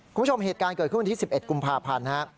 คุณผู้ชมเหตุการณ์เกิดขึ้นวันที่๑๑กุมภาพันธ์ฮะ